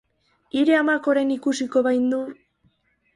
Hire amak orain ikusiko bahindu!